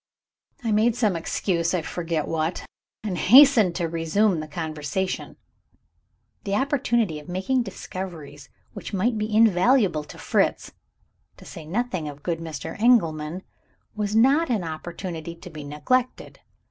I made some excuse I forget what and hastened to resume the conversation. The opportunity of making discoveries which might be invaluable to Fritz (to say nothing of good Mr. Engelman) was not an opportunity to be neglected.